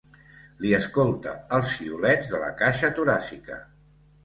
Li escolta els xiulets de la caixa toràcica.